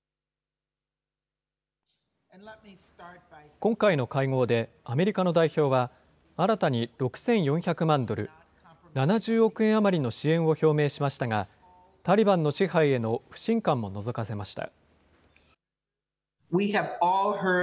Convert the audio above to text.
今回の会合で、アメリカの代表は、新たに６４００万ドル、７０億円余りの支援を表明しましたが、タリバンの支配への不信感ものぞかせました。